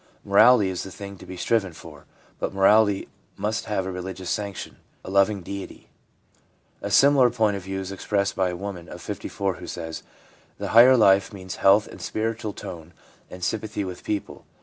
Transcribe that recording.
Morality is the thing to be striven for ; but morality must have a religious sanction, a loving Deity/ A similar point of view is expressed by a woman of 54, who says: 'The higher life means health and spiritual tone and sympathy with people.